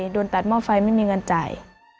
โดนตัดหม้อไฟไม่มีเงินจ่าย